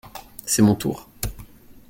C’est mon tour.